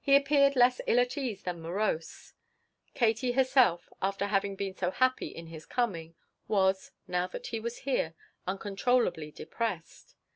He appeared less ill at ease than morose. Katie herself, after having been so happy in his coming, was, now that he was there, uncontrollably depressed.